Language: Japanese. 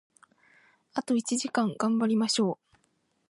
あと一時間、頑張りましょう！